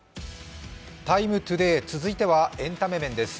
「ＴＩＭＥ，ＴＯＤＡＹ」続いてはエンタメ面です。